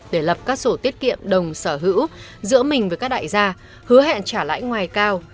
để lập các sổ tiết kiệm đồng sở hữu giữa mình với các đại gia hứa hẹn trả lãi ngoài cao